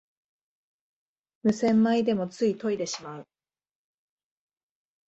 無洗米でもつい研いでしまう